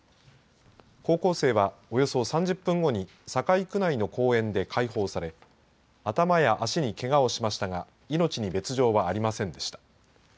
高校生はおよそ３０分後に堺区内の公園で解放され頭や足にけがをしましたが命に別状はありませんでした。